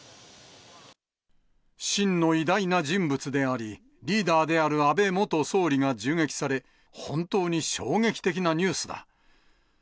真の偉大な人物であり、リーダーである安倍元総理が銃撃され、本当に衝撃的なニュースだ。